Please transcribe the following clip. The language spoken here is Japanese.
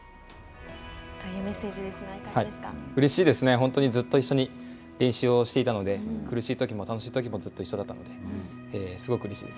本当にずっと一緒に練習をしていたので苦しいときも楽しいときもずっと一緒だったのですごくうれしいです。